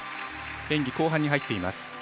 演技後半に入っています。